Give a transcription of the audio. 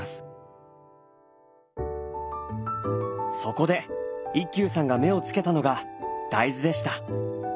そこで一休さんが目をつけたのが大豆でした。